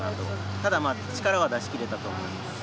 ただ、力は出し切れたと思います。